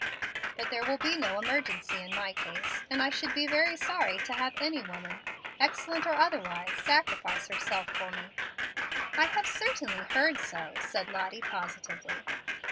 But there will be no emergency in my case, and I should be sorry to have any woman, excellent or otherwise, sacrifice herself for me." "I have certainly heard so," said Lottie, positively.